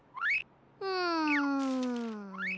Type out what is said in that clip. うん。